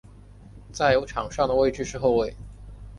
在场上的位置是后卫。